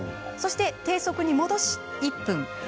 そして低速に戻し１分。